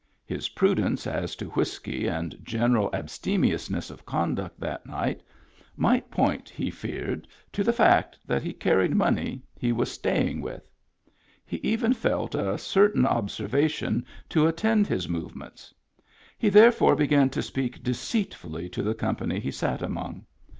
His prudence as to whiskey and general abstemiousness of conduct that night might point, he feared, to the fact that he carried money he was "staying with." He even felt a certain observation to attend his move ments. He therefore began to speak deceitfully to the company he sat among.